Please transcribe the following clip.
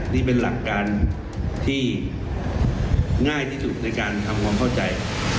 นี่เป็นหลักการที่ง่ายที่สุดในการทำความเข้าใจ